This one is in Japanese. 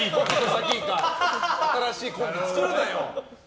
新しいコンビ作るなよ！